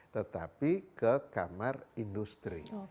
tetapi ke kamar industri